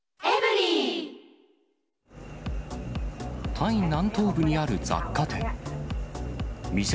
タイ南東部にある雑貨店。